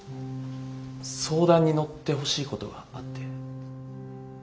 相談に乗ってほしいことがあって。